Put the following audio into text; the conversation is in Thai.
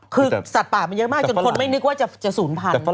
คือสัตว์ป่ามันเยอะมากจนคนไม่นึกว่าจะศูนย์พันธุ์